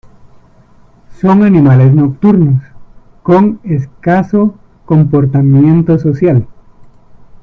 Son animales nocturnos con escaso comportamiento social.